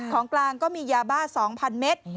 ของกลางก็มียาบ้า๒๐๐เมตร